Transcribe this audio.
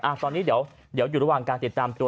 ตอนนี้เดี๋ยวอยู่ระหว่างการติดตามตัว